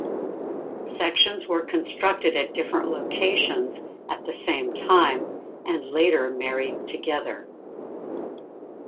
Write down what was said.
Sections were constructed at different locations at the same time and later married together.